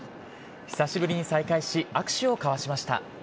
久しぶりに再会し、握手を交わしました。